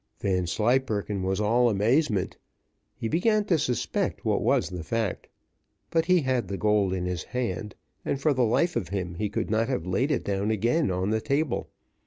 Vanslyperken was all amazement: he began to suspect what was the fact, but he had the gold in his hand, and for the life of him, he could not have laid it down again on the table.